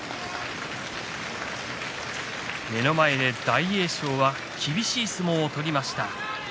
目の前で大栄翔は厳しい相撲を取りました。